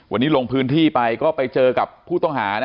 วันนี้ลงพื้นที่ไปก็ไปเจอกับผู้ต้องหานะ